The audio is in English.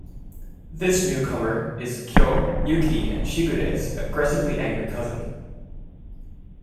This newcomer is Kyo, Yuki and Shigure's aggressively angry cousin.